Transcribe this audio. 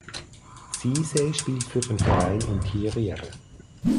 Ceesay spielt für den Verein Interior.